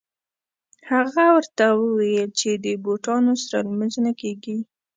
هغه ورته وویل چې د بوټانو سره لمونځ نه کېږي.